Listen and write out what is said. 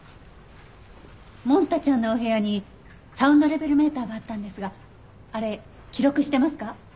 モン太ちゃんのお部屋にサウンドレベルメーターがあったんですがあれ記録してますか？